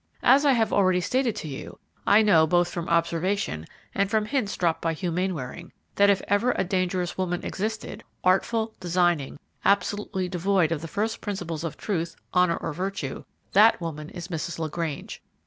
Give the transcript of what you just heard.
As I have already stated to you, I know, both from observation and from hints dropped by Hugh Mainwaring, that if ever a dangerous woman existed, artful, designing, absolutely devoid of the first principles of truth, honor, or virtue, that woman is Mrs. LaGrange.